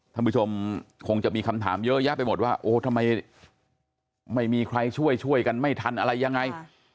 ท่านผู้ชมคงจะมีคำถามเยอะแยะไปหมดว่าโอ้ทำไมไม่มีใครช่วยช่วยกันไม่ทันอะไรยังไง